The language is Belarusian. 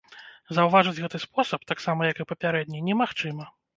Заўважыць гэты спосаб, таксама як і папярэдні, немагчыма.